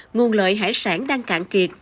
nguồn lợi hải sản đang cạn kiệt